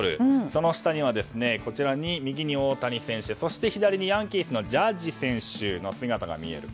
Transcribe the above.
その下には右に大谷選手そして左にヤンキースのジャッジ選手の姿が見える。